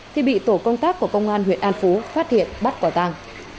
thì bị tổ công tác của công an huyện an phú phát hiện bắt quả tàng